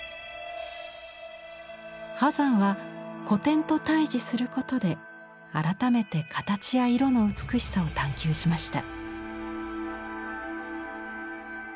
波山は古典と対じすることで改めて形や色の美しさを探求しました。